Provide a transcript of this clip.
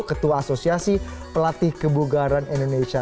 ketua asosiasi pelatih kebugaran indonesia